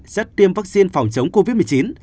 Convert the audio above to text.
xét tiêm vaccine phòng chống covid một mươi chín